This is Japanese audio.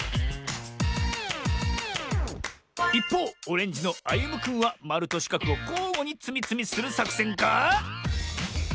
いっぽうオレンジのあゆむくんはまるとしかくをこうごにつみつみするさくせんか？